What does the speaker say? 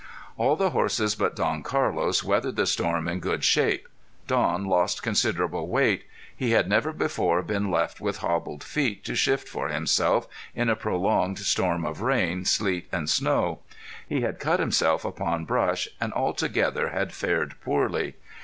All the horses but Don Carlos weathered the storm in good shape. Don lost considerable weight. He had never before been left with hobbled feet to shift for himself in a prolonged storm of rain, sleet and snow. He had cut himself upon brush, and altogether had fared poorly.